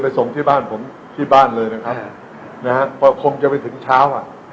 ส่งที่บ้านผมที่บ้านเลยนะครับนะฮะพอคงจะไปถึงเช้าอ่ะ